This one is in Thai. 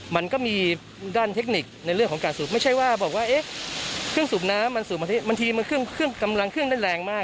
มันก็ทำให้ช้านิดหนึ่ง